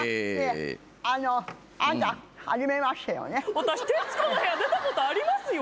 私『徹子の部屋』出たことありますよ。